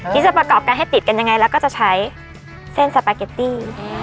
จะประกอบกันให้ติดกันยังไงแล้วก็จะใช้เส้นสปาเกตตี้